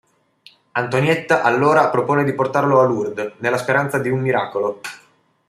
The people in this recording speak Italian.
Antonietta allora propone di portarlo a Lourdes nella speranza di un miracolo.